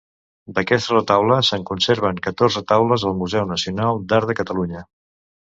D'aquest retaule se'n conserven catorze taules al Museu Nacional d'Art de Catalunya.